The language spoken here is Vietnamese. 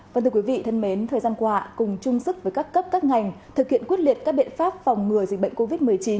vâng thưa quý vị thân mến thời gian qua cùng chung sức với các cấp các ngành thực hiện quyết liệt các biện pháp phòng ngừa dịch bệnh covid một mươi chín